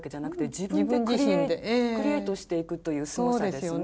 自分でクリエートしていくというすごさですね。